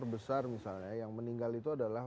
besar misalnya yang meninggal itu adalah